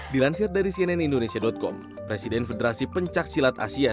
dilansir dari cnn indonesia com presiden federasi pencaksilat asia